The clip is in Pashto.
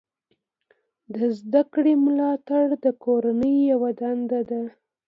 د زده کړې ملاتړ د کورنۍ یوه دنده ده.